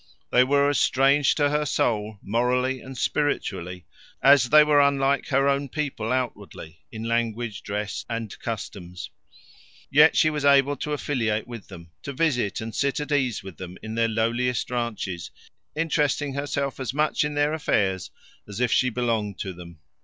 They were as strange to her soul, morally and spiritually, as they were unlike her own people outwardly in language, dress, and customs. Yet she was able to affiliate with them, to visit and sit at ease with them in their lowliest ranches, interesting herself as much in their affairs as if she belonged to them.